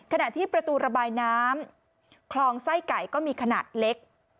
ขณะที่ประตูระบายน้ำคลองไส้ไก่ก็มีขนาดเล็ก